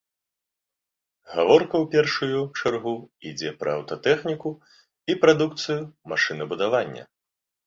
Гаворка ў першую чаргу ідзе пра аўтатэхніку і прадукцыю машынабудавання.